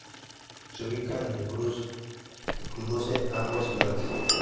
Se ubica en el cruce que conduce a ambas ciudades.